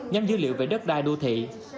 nhóm dữ liệu về đất đai đô thị